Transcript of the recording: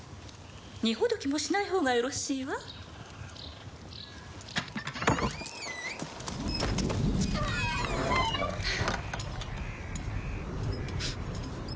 荷ほどきもしないほうがよろしいわは